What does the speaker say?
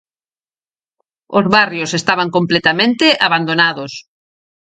Os barrios estaban completamente abandonados.